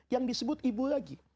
yang disebut ibu lagi